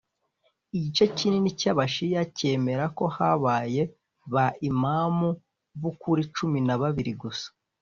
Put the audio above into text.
igice kinini cy’abashiya cyemera ko habayeho ba imām b’ukuri cumi nababiri gusa